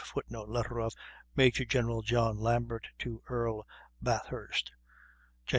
[Footnote: Letter of Major General John Lambert to Earl Bathurst, Jan.